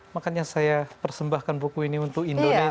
makanya saya persembahkan buku ini untuk indonesia